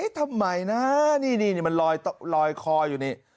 ทำไมนะนี่มันลอยคออยู่นี่